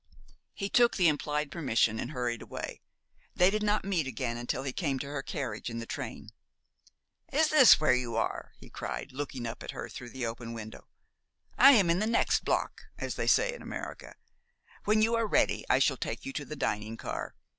He took the implied permission, and hurried away. They did not meet again until he came to her carriage in the train. "Is this where you are?" he cried, looking up at her through the open window. "I am in the next block, as they say in America. When you are ready I shall take you to the dining car.